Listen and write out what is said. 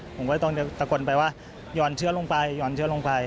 ผมก็ต้องตะโกนไปว่าหย่อนเชื้อลงไปหย่อนเชื้อลงไป